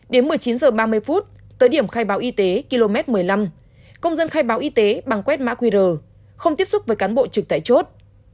đến một mươi chín h ba mươi tới điểm khai báo y tế km một mươi năm công dân khai báo y tế bằng quét mã qr không tiếp xúc với cán bộ trực tại chốt